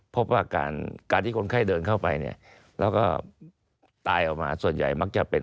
พบว่าการการที่คนไข้เดินเข้าไปเนี่ยแล้วก็ตายออกมาส่วนใหญ่มักจะเป็น